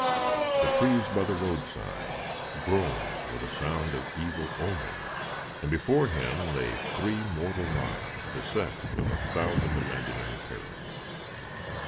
The trees by the roadside groaned with a sound of evil omen, and before him lay three mortal miles, beset with a thousand imaginary perils.